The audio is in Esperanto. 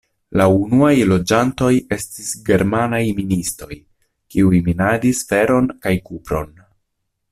La unuaj loĝantoj estis germanaj ministoj, kiuj minadis feron kaj kupron.